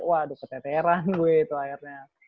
waduh keteteran gue itu akhirnya